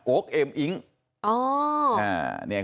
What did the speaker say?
โอ๊คเอมอิ้ง